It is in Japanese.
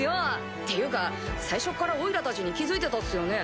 っていうか最初からおいらたちに気付いてたっすよね？